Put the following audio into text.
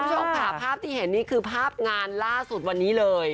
คุณผู้ชมค่ะภาพที่เห็นนี่คือภาพงานล่าสุดวันนี้เลย